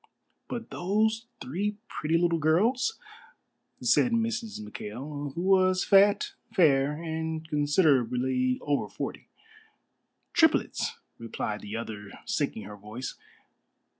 "But those three pretty little girls?" said Mrs. McKail, who was fat, fair, and considerably over forty. "Triplets," replied the other, sinking her voice.